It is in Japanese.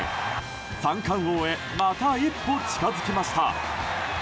三冠王へまた一歩近づきました。